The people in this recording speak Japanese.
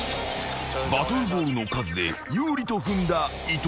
［バトルボールの数で有利と踏んだ井戸田］